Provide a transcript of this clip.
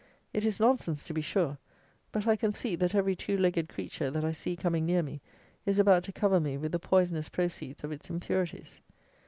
It is nonsense, to be sure; but I conceit that every two legged creature, that I see coming near me, is about to cover me with the poisonous proceeds of its impurities.